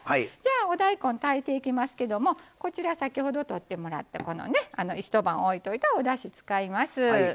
お大根、炊いていきますけどもこちら、先ほど、とってもらった一晩、置いておいた、おだしを使います。